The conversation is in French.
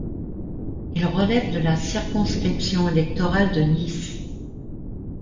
Il relève de la circonscription électorale de Neath.